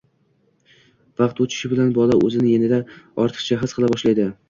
Vaqt o‘tishi bilan bola o‘zini yanada ortiqcha his qila boshlaydi.